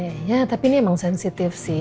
iya tapi ini emang sensitif sih